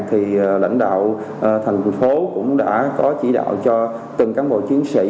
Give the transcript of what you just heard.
thì lãnh đạo thành phố cũng đã có chỉ đạo cho từng cán bộ chiến sĩ